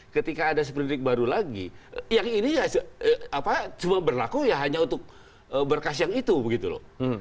ketika ada seperindik baru lagi yang ini ya cuma berlaku ya hanya untuk berkas yang itu begitu loh